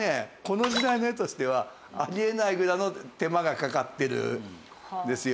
この時代の絵としてはあり得ないぐらいの手間がかかってるんですよ。